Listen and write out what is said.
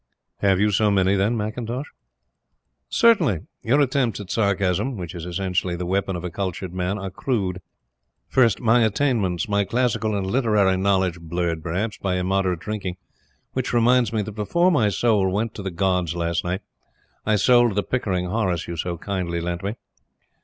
"Have you so many, then, McIntosh?" "Certainly; your attempts at sarcasm which is essentially the weapon of a cultured man, are crude. First, my attainments, my classical and literary knowledge, blurred, perhaps, by immoderate drinking which reminds me that before my soul went to the Gods last night, I sold the Pickering Horace you so kindly lent me.